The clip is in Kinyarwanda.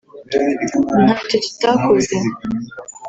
ntacyo tutakoze